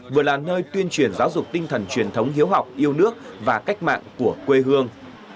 vừa là nơi tuyên truyền giáo dục tinh thần truyền thống hiếu học yêu nước và cách mạng của quê hương